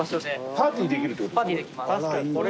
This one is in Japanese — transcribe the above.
パーティーできるってこと？